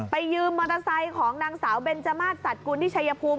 ยืมมอเตอร์ไซค์ของนางสาวเบนจมาสสัตว์กุลที่ชัยภูมิ